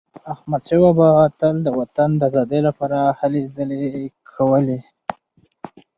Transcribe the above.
احمدشاه بابا تل د وطن د ازادی لپاره هلې ځلي کولي.